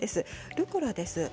ルッコラです。